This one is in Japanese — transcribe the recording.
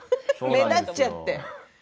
目立っちゃって。